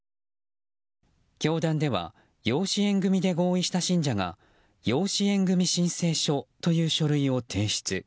教団では養子縁組で合意した信者が養子縁組申請書という書類を提出。